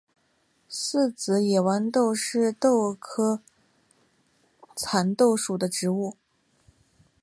四籽野豌豆是豆科蚕豆属的植物。